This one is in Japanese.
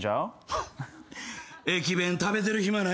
ハッ駅弁食べてる暇ないで。